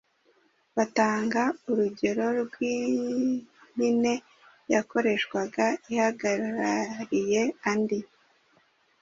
Batanga urugero rw’impine yakoreshwaga ihagarariye andi‘